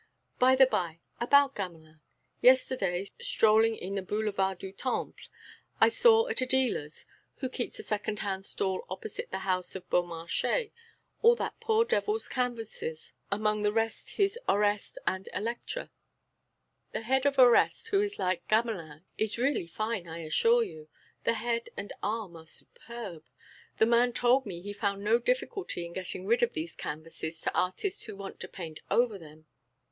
"By the bye, about Gamelin; yesterday, strolling in the Boulevard du Temple, I saw at a dealer's, who keeps a second hand stall opposite the House of Beaumarchais, all that poor devil's canvases, amongst the rest his Orestes and Electra. The head of Orestes, who's like Gamelin, is really fine, I assure you.... The head and arm are superb.... The man told me he found no difficulty in getting rid of these canvases to artists who want to paint over them....